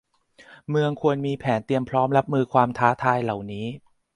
เมืองควรมีแผนเตรียมพร้อมรับมือความท้าทายเหล่านี้